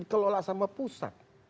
dikelola sama pusat